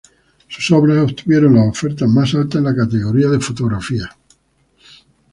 Sus obras obtuvieron las ofertas más altas en la categoría de fotografía.